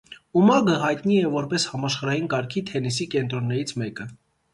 Ումագը հայտնի է որպես համաշխարհային կարգի թենիսի կենտրոններից մեկը։